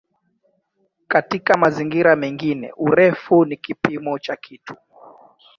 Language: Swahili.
Katika mazingira mengine "urefu" ni kipimo cha kitu.